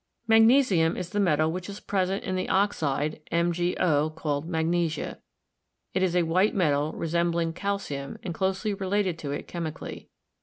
Magnesium is the metal which is present in the oxide (MgO) called magnesia. It is a white metal resembling calcium and closely related to it chemically.